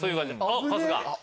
あっ春日。